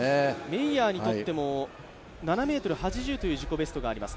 メイヤーにとっても７ｍ８０という自己ベストがあります。